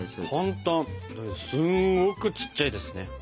でもすんごくちっちゃいですね。